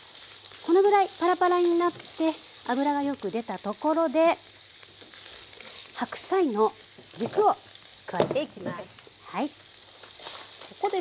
このぐらいパラパラになって油がよく出たところで白菜の軸を加えていきます。